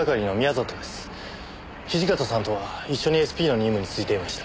土方さんとは一緒にＳＰの任務についていました。